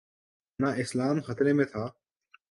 نہ اسلام خطرے میں تھا۔